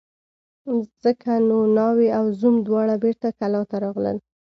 ځکه نو ناوې او زوم دواړه بېرته کلاه ته راغلل.